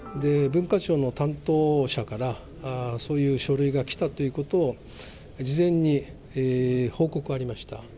文化庁の担当者から、そういう書類が来たということを事前に報告ありました。